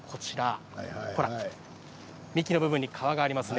幹の部分に皮がありますね。